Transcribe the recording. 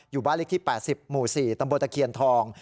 บ้านเลขที่๘๐หมู่๔ตำบลตะเคียนทอง